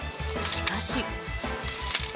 しかし。